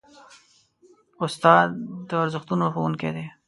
استاد د ارزښتونو ښوونکی دی.